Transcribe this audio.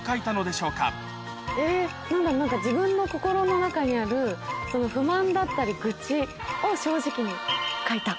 なんだろう、なんか自分の心の中にある、不満だったり、愚痴を正直に書いた。